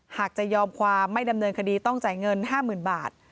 หากจะยอมความไม่ดำเนินคดีต้องจ่ายเงิน๕๐๐๐บาท